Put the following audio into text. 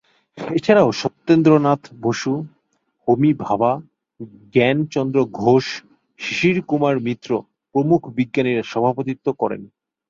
এছাড়াও সত্যেন্দ্রনাথ বসু, হোমি ভাবা, জ্ঞান চন্দ্র ঘোষ, শিশির কুমার মিত্র প্রমুখ বিজ্ঞানীরা সভাপতিত্ব করেন।